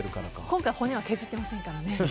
今回、骨は削ってませんからね。